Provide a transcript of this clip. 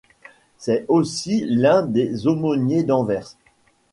C'est aussi l'un des aumôniers d'Anvers.